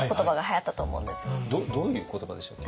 どういう言葉でしたっけ？